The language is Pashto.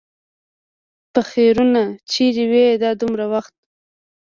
پخيرونو! چېرې وې دا دومره وخت؟